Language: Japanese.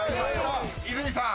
［泉さん